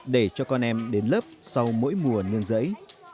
để cho con em đến lớp sau mỗi mùa nương giấy